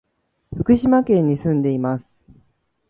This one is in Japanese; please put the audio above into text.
福島県に住んでいます。